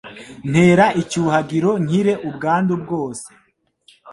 Ntera icyuhagiro nkire ubwandu bwose